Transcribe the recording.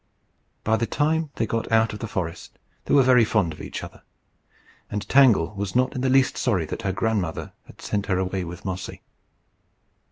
By the time they got out of the forest they were very fond of each other, and Tangle was not in the least sorry that her grandmother had sent her away with Mossy.